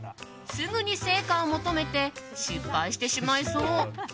すぐに成果を求めて失敗してしまいそう。